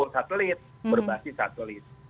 satelit berbasis satelit